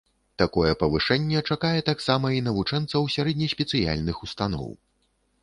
Такое павышэнне чакае таксама і навучэнцаў сярэднеспецыяльных установаў.